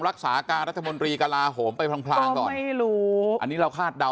รักษาการรัฐมนตรีกระลาโหมไปพลางพลางก่อนไม่รู้อันนี้เราคาดเดา